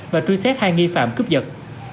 và truy xét hai nghi phạm cướp giật